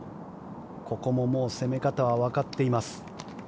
ここも攻め方はわかっています。